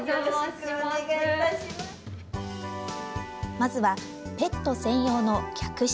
まずはペット専用の客室。